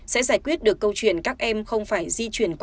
sẽ giải quyết được câu chuyện các em không phải di chuyển qua